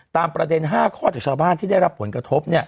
ประเด็น๕ข้อจากชาวบ้านที่ได้รับผลกระทบ